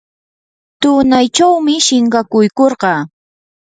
tunaychawmi shinkakuykurqaa.